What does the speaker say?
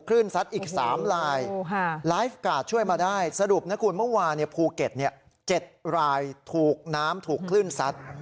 ซัดอีก๓ลายไลฟ์การ์ดช่วยมาได้สรุปนะคุณเมื่อวานภูเก็ต๗รายถูกน้ำถูกคลื่นซัด